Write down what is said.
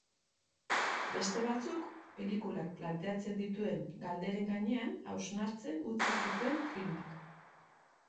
Beste batzuk, pelikulak planteatzen dituen galderen gainean hausnartzen utzi zituen filmeak.